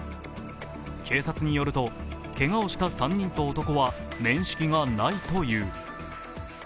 警察によると、けがをした３人と男は面識がないという。